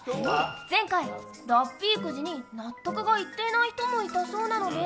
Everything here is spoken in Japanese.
前回、ラッピーくじに納得がいってない人もいたので。